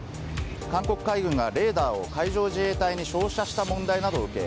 韓国海軍がレーダーを海上自衛隊に照射した問題などを受け